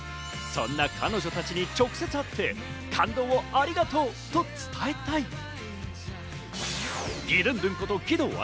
そんな彼女たちに直接会って、感動をありがとうと伝えたい。